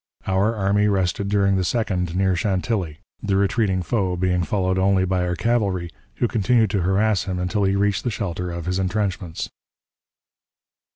Our army rested during the 2d near Chantilly, the retreating foe being followed only by our cavalry, who continued to harass him until he reached the shelter of his intrenchments.